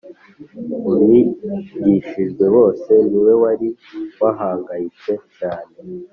mu bigishwa bose, ni we wari wahangayitse cyane